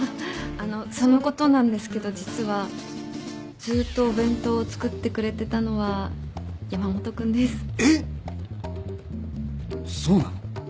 あのそのことなんですけど実はずっとお弁当を作ってくれてたのは山本君です。えっ！？そうなの？